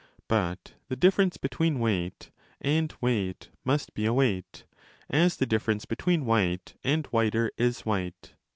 But the difference between weight and weight must be a weight, as the difference between white and whiter is white.